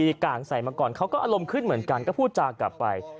กลางใส่มาก่อนเขาก็อารมณ์ขึ้นเหมือนกันก็พูดจากับไป